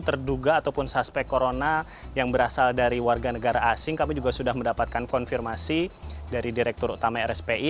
terduga ataupun suspek corona yang berasal dari warga negara asing kami juga sudah mendapatkan konfirmasi dari direktur utama rspi